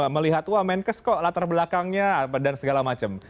melihat wah menkes kok latar belakangnya dan segala macam